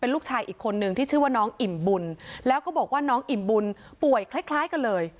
ลูกชายอีกคนนึงที่ชื่อว่าน้องอิ่มบุญแล้วก็บอกว่าน้องอิ่มบุญป่วยคล้ายคล้ายกันเลย